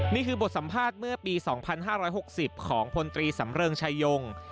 นี่คือบทสัมภาษณ์เมื่อปี๒๕๖๐ของพลตรีสำเริงชายง